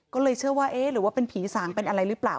ก็เลยเชื่อว่าเอ๊ะหรือว่าเป็นผีสางเป็นอะไรหรือเปล่า